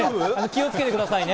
気をつけてくださいね。